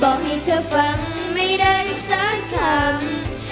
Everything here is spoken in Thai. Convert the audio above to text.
บอกให้เธอฟังไม่ได้สักคำ